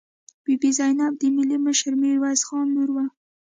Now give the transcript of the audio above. بي بي زینب د ملي مشر میرویس خان لور وه.